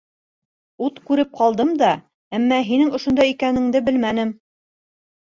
Ут күреп ҡалдым да... әммә һинең ошонда икәнеңде белмәнем.